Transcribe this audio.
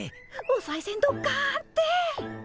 おさいせんどっかんって！